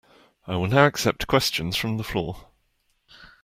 I will now accept questions from the floor.